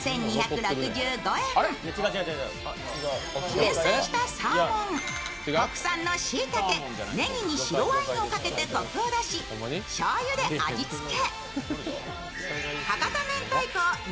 厳選したサーモン国産のしいたけねぎに白ワインをかけてコクを出し、しょうゆで味付け。